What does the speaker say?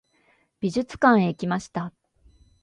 美術館へ行きました。